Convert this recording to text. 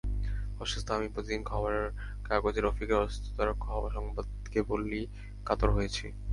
অসুস্থ আমি প্রতিদিন খবর কাগজে রফিকের অসুস্থতার সংবাদে কেবলই কাতর হয়েছি।